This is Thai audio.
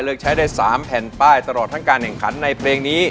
เลือกใช้ได้๓แผ่นป้ายตลอดทั้งการแข่งขันในเพลงนี้